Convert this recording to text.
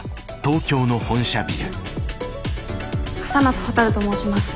笠松ほたると申します。